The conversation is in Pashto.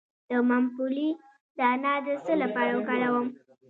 د ممپلی دانه د څه لپاره وکاروم؟